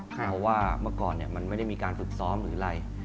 เพราะว่าเมื่อก่อนมันไม่ได้มีการฝึกซ้อมหรืออะไร